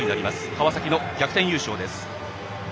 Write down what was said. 川崎の逆転優勝です。